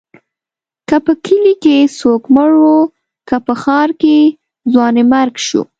که په کلي کې څوک مړ و، که په ښار کې ځوانيمرګ شو.